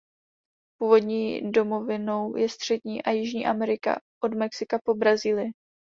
Původní domovinou je Střední a Jižní Amerika od Mexika po Brazílii.